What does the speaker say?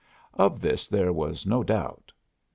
Of this there was no doubt.